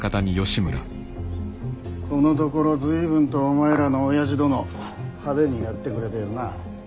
このところ随分とお前らのおやじ殿派手にやってくれているな。